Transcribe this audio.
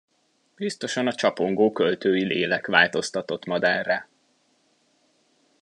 Biztosan a csapongó költői lélek változtatott madárrá.